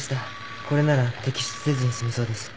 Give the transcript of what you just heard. これなら摘出せずに済みそうです。